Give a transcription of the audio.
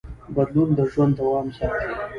بدلون د ژوند دوام ساتي.